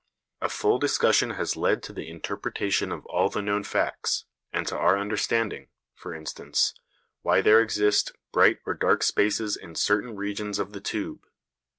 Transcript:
A full discussion has led to the interpretation of all the known facts, and to our understanding, for instance, why there exist bright or dark spaces in certain regions of the tube.